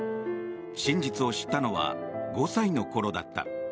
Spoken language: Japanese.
真実を知ったのは５歳のころだった。